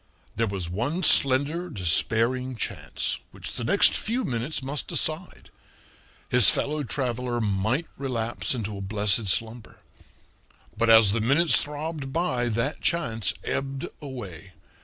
There was one slender, despairing chance, which the next few minutes must decide. His fellow traveler might relapse into a blessed slumber. But as the minutes throbbed by that chance ebbed away.